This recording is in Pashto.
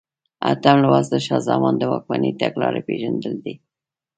اتم لوست د شاه زمان د واکمنۍ تګلارې پېژندل دي.